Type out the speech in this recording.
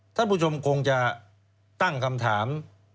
ท่านผู้ชมคงจะตั้งคำถาม